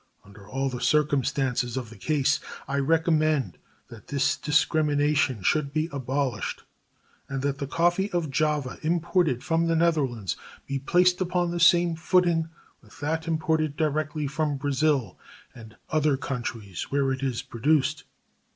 Under all the circumstances of the case, I recommend that this discrimination should be abolished and that the coffee of Java imported from the Netherlands be placed upon the same footing with that imported directly from Brazil and other countries where it is produced.